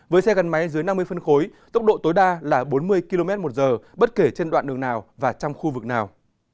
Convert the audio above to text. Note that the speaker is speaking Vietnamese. với xe gắn máy dưới năm mươi phân khối tốc độ tối đa là bốn mươi km một giờ bất kể trên đoạn đường nào và trong khu vực nào